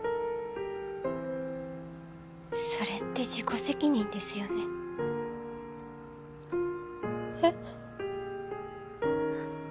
それって自己責任ですよねえっ？